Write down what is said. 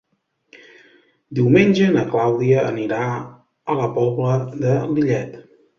Diumenge na Clàudia anirà a la Pobla de Lillet.